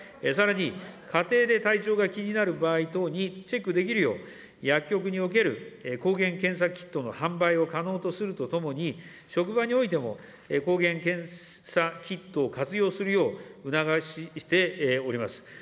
さらに、家庭で体調が気になる場合等にチェックできるよう、薬局における抗原検査キットの販売を可能とするとともに、職場においても、抗原検査キットを活用するよう促しております。